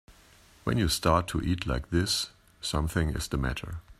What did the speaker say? When you start to eat like this something is the matter.